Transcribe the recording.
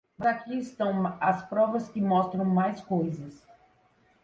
Mas aqui estão as provas que mostram mais coisas.